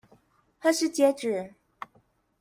何時截止？